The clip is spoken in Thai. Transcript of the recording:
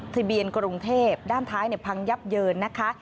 ทะเบียนกรุงเทพฯด้านท้ายเนี่ยพังยับเยินนะคะ